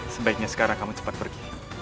sebaiknya sekarang kamu cepat pergi